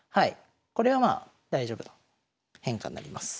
これはまあ大丈夫な変化になります。